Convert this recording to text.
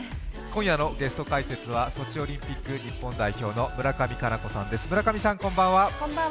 今夜のゲスト解説はソチオリンピック日本代表の村上佳菜子さんです。